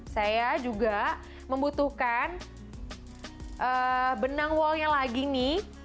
saya juga membutuhkan benang wall nya lagi nih